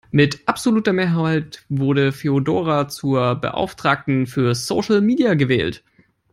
Mit absoluter Mehrheit wurde Feodora zur Beauftragten für Social Media gewählt.